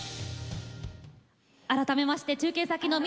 改めまして中継先の南